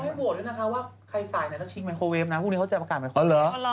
ให้โหวตด้วยนะคะว่าใครสายไหนก็ชิงไมโครเวฟนะพรุ่งนี้เขาจะประกาศไมโครเวฟ